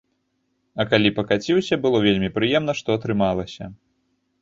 А калі пакаціўся, было вельмі прыемна, што атрымалася.